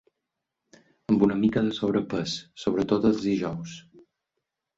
Amb una mica de sobrepès, sobretot els dijous.